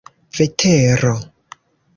vetero